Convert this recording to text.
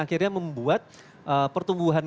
akhirnya membuat pertumbuhan